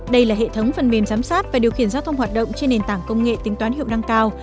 đây là hệ thống phần mềm giám sát và điều khiển giao thông hoạt động trên nền tảng công nghệ tính toán hiệu năng cao